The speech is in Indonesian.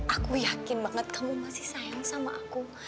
aku yakin banget kamu masih sayang sama aku